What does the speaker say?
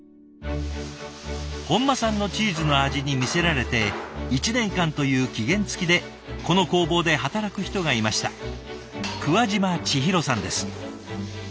本間さんのチーズの味に魅せられて１年間という期限付きでこの工房で働く人がいました。